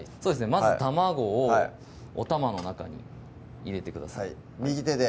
まず卵をおたまの中に入れてください右手で？